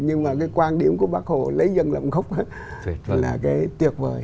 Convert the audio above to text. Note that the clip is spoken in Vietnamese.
nhưng mà cái quan điểm của bác hồ lấy dân làm gốc là cái tuyệt vời